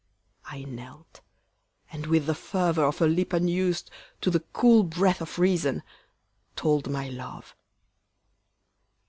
I knelt, And with the fervor of a lip unused To the cool breath of reason, told my love.